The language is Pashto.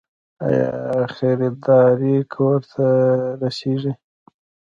آیا خریداري کور ته رسیږي؟